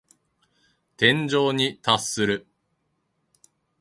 天井に達する。